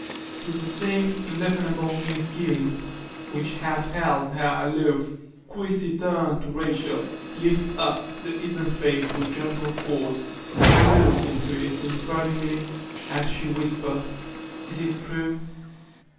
With the same indefinable misgiving which had held her aloof, Christie turned to Rachel, lifted up the hidden face with gentle force, and looked into it imploringly, as she whispered: "Is it true?"